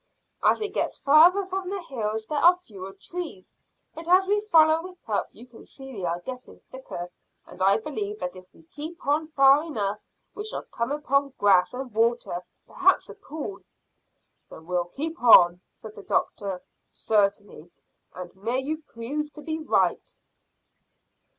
"As it gets farther from the hills there are fewer trees, but as we follow it up you can see they are getting thicker, and I believe that if we keep on far enough we shall come upon grass and water, perhaps a pool." "Then we'll keep on," said the doctor, "certainly; and may you prove to be right."